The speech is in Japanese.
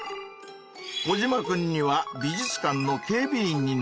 コジマくんには美術館の警備員になってもらったぞ！